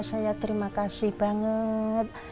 saya terima kasih banget